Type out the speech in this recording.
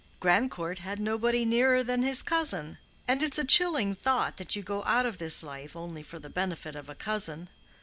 Grandcourt had nobody nearer than his cousin. And it's a chilling thought that you go out of this life only for the benefit of a cousin.